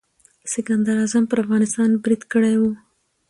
سکندر اعظم پر افغانستان برید کړی و.